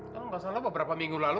kamu gak salah beberapa minggu lalu